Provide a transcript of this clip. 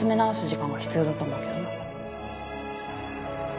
時間が必要だと思うけどな。